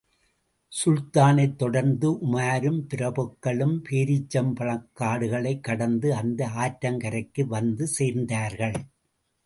சுல்தானைத் தொடர்ந்து உமாரும் பிரபுக்களும் பேரீச்சம் பழக்காடுகளைக் கடந்து அந்த ஆற்றங்கரைக்கு வந்து சேர்ந்தார்கள்.